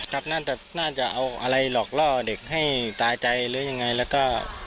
น่าจะน่าจะเอาอะไรหลอกล่อเด็กให้ตายใจหรือยังไงแล้วก็